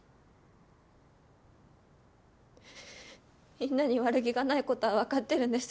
みんなに悪気がない事はわかってるんです。